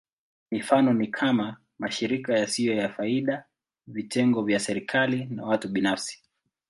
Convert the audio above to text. Mifano ni kama: mashirika yasiyo ya faida, vitengo vya kiserikali, na watu binafsi.